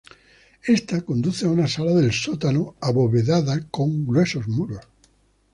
Ésta conduce a una sala del sótano abovedada con gruesas muros.